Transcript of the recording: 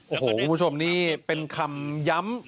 โอ้โหคุณผู้ชมนี่เป็นคำย้ำ